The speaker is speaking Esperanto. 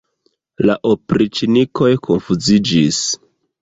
La opriĉnikoj konfuziĝis.